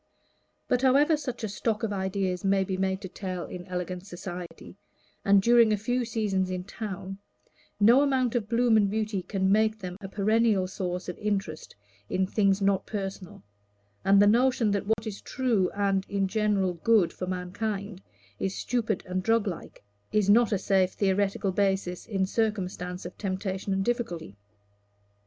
But however such a stock of ideas may be made to tell in elegant society, and during a few seasons in town, no amount of bloom and beauty can make them a perennial source of interest in things not personal; and the notion that what is true and, in general, good for mankind, is stupid and drug like, is not a safe theoretic basis in circumstances of temptation and difficulty.